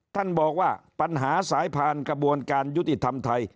ท่านบอกว่าปัญหาสายผ่านกระบวนการยุติธรรมไทย